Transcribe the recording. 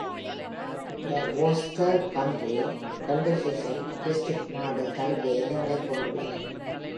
The Worcester County Conservation District நாடு தழுவிய எல்லைகளைக் கொண்டுள்ளது.